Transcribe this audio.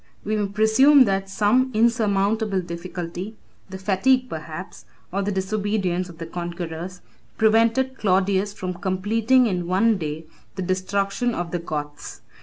We may presume that some insurmountable difficulty, the fatigue, perhaps, or the disobedience, of the conquerors, prevented Claudius from completing in one day the destruction of the Goths.